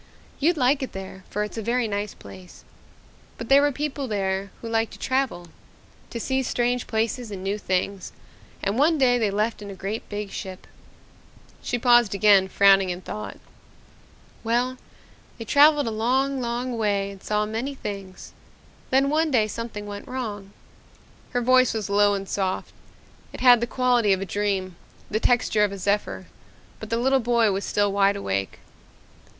You'd like it there for it's a very nice place. But there were people there who liked to travel to see strange places and new things, and one day they left in a great big ship." She paused again, frowning in thought. "Well, they traveled a long, long way and saw many things. Then one day something went wrong." Her voice was low and soft. It had the quality of a dream, the texture of a zephyr, but the little boy was still wide awake.